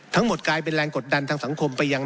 กลายเป็นแรงกดดันทางสังคมไปยัง